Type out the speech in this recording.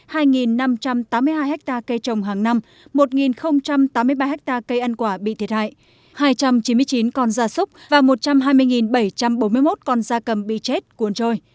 hai năm trăm tám mươi hai hectare cây trồng hàng năm một tám mươi ba ha cây ăn quả bị thiệt hại hai trăm chín mươi chín con da súc và một trăm hai mươi bảy trăm bốn mươi một con da cầm bị chết cuốn trôi